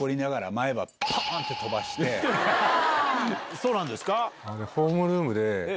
そうなんですか？